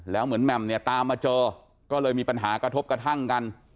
แล้วเหมือนแหม่มเนี่ยตามมาเจอก็เลยมีปัญหากระทบกระทั่งกัน